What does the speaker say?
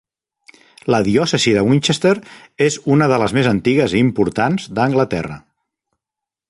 La diòcesi de Winchester és una de les més antigues i importants d'Anglaterra.